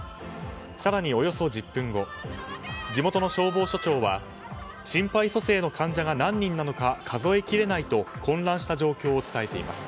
更におよそ１０分後地元の消防署長は心肺蘇生の患者が何人なのか数えきれないと混乱した状況を伝えています。